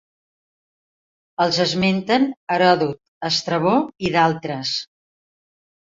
Els esmenten Heròdot, Estrabó i d'altres.